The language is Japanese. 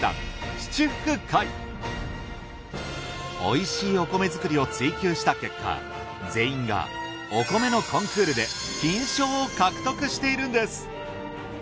おいしいお米作りを追求した結果全員がお米のコンクールで金賞を獲得しているんです。